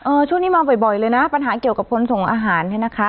เอ่อช่วงนี้มาบ่อยบ่อยเลยนะปัญหาเกี่ยวกับคนส่งอาหารนะคะ